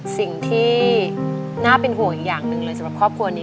สิ่งที่น่าเป็นห่วงอีกอย่างหนึ่งเลยสำหรับครอบครัวนี้